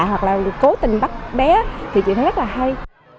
hoặc là cố tình bắt bé thì chị thấy rất là hay